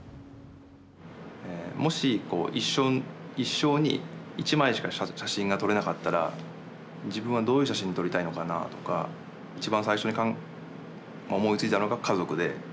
もし一生に一枚しか写真が撮れなかったら自分はどういう写真撮りたいのかなとか一番最初に思いついたのが家族で。